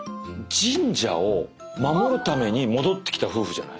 神社を守るために戻ってきた夫婦じゃない？